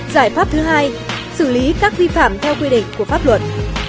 giải pháp thứ hai xử lý các vi phạm theo quy định của pháp luật